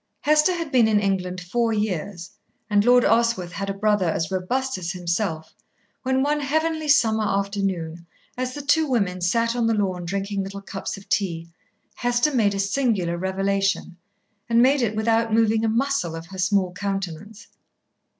Hester had been in England four years, and Lord Oswyth had a brother as robust as himself, when one heavenly summer afternoon, as the two women sat on the lawn drinking little cups of tea, Hester made a singular revelation, and made it without moving a muscle of her small countenance.